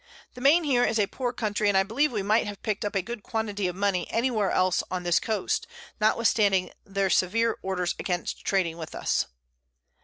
The Main here is a poor Country, and I believe we might have pick'd up a good Quantity of Money any where else on this Coast, notwithstanding their severe Orders against trading with us.